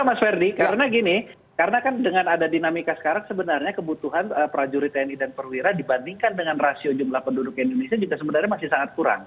mas ferdi karena gini karena kan dengan ada dinamika sekarang sebenarnya kebutuhan prajurit tni dan perwira dibandingkan dengan rasio jumlah penduduk indonesia juga sebenarnya masih sangat kurang